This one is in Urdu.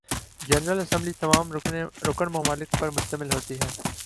جنرل اسمبلی تمام رکن ممالک پر مشتمل ہوتی ہے